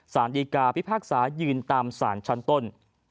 สารดีกาพิพากษายืนตามสารชั้นต้น